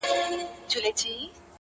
نړیوال راپورونه پرې زياتيږي,